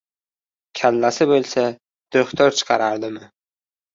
— Kallasi bo‘lsa, do‘xtir chaqiradimi?